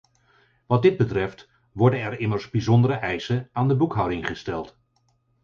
Wat dit betreft worden er immers bijzondere eisen aan de boekhouding gesteld.